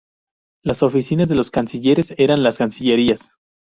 Las oficinas de los cancilleres eran las cancillerías.